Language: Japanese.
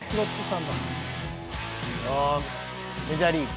ああメジャーリーグ？